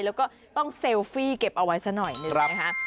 แล้วก็ต้องเซลฟี่เก็บเอาไว้สักหน่อยหนึ่งนะคะ